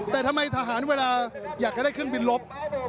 แต่ทำไมทหารเวลาอยากจะได้เครื่องบินลบ